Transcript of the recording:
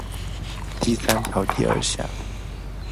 第三条第二项